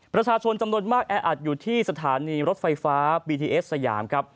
ประชาชนจำนวนมากแออัดอยู่ที่สถานีรถไฟฟ้าบีทีเอสสยามครับ